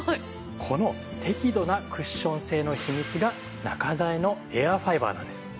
この適度なクッション性の秘密が中材のエアファイバーなんです。